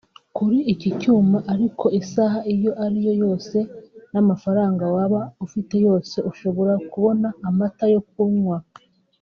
Kuri iki cyuma ariko isaha iyo ariyo yose n’amafaranga waba ufite yose ushobora kubona amata yo kunywa